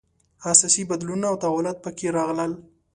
اساسي بدلونونه او تحولات په کې راغلل.